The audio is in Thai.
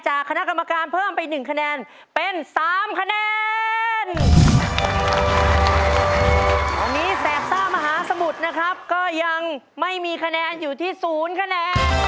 จังเก่งขันย่องเป็นอย่างนี้นะลูกนะ